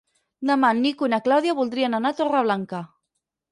Demà en Nico i na Clàudia voldrien anar a Torreblanca.